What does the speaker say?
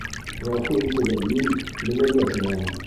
Ғәфү итегеҙ, мин... белергә теләйем.